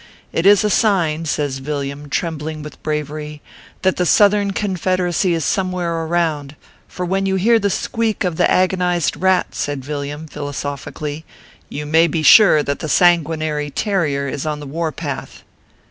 It is a sign/ says Vil liam, trembling with bravery, "that the Southern Confederacy is somewhere around ; for when you hear the squeak of the agonized rat," said Villiam, philosophically, " you may be sure that the sanguinary terrier is on the war path."